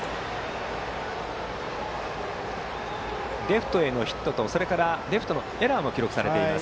レフトへのヒットとレフトのエラーも記録されています。